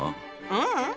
ううん。